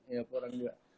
ya porang juga